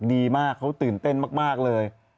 ดีมากเขาตื่นเต้นมากเลย